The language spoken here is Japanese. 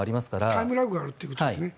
タイムラグがあるということですね。